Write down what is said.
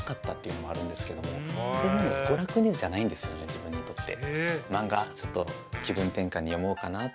自分にとって。